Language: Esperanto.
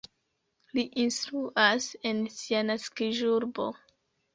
Li instruas en sia naskiĝurbo.